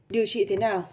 điều trị thế nào